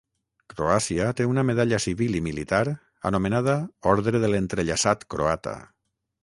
Croàcia té una medalla civil i militar anomenada Ordre de l'entrellaçat croata.